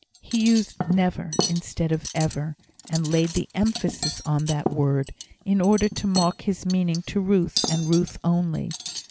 He used "never" instead of "ever," and laid the emphasis on that word, in order to mark his meaning to Ruth, and Ruth only.